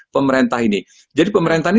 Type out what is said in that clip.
pemerintah ini jadi pemerintah ini